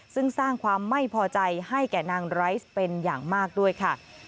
ซึ่งสร้างความไม่พอใจให้แก่นางไรซ์เป็นอย่างมากด้วยค่ะ